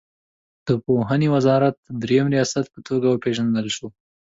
د پوهنې وزارت د دریم ریاست په توګه وپېژندل شوه.